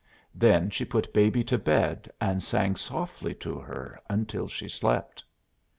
Then she put Baby to bed and sang softly to her until she slept.